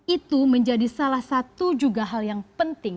itu menjadi salah satu juga hal yang penting